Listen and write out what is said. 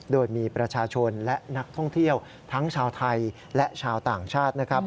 โดยมีประชาชนและนักท่องเที่ยวทั้งชาวไทยและชาวต่างชาตินะครับ